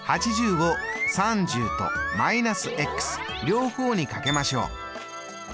８０を３０とー両方にかけましょう。